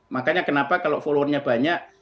makanya kenapa kalau followernya banyak